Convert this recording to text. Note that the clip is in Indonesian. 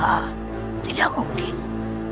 untuk semua orang yang menonton